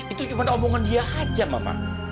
itu cuma omongan dia aja mama